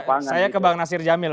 saya ke bang nasir jamil